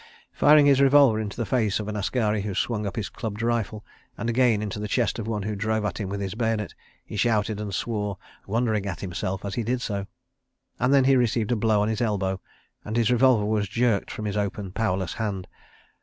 Firing his revolver into the face of an askari who swung up his clubbed rifle, and again into the chest of one who drove at him with his bayonet, he shouted and swore, wondering at himself as he did so. And then he received a blow on his elbow and his revolver was jerked from his open, powerless hand.